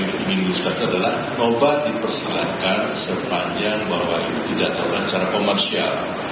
ketika itu yang kami ingin luluskan adalah nobar dipersilakan sepanjang bahwa tidak ada acara komersial